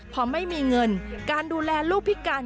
พอไม่มีเงินการดูแลลูกพิการ